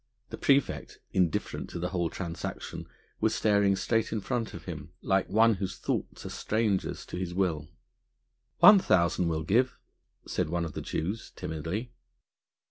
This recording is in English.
The praefect, indifferent to the whole transaction, was staring straight in front of him, like one whose thoughts are strangers to his will. "One thousand we'll give," said one of the Jews timidly.